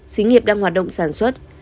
xí nghiệp đang hoạt động sản xuất